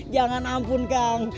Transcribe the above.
jangan ampun kang